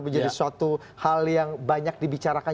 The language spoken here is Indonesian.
menjadi suatu hal yang banyak dibicarakan